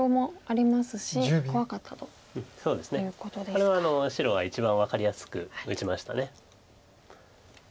これは白は一番分かりやすく打ちました。